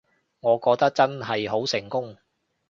我覺得真係好成功